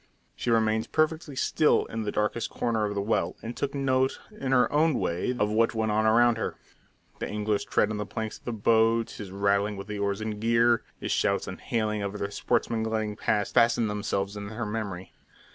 She remained perfectly still in the darkest corner of the well, and took note in her own way of what went on around her the angler's tread on the planks of the boat, his rattling with the oars and gear, his shouts and hailing of other sportsmen gliding past, fastened themselves in her memory.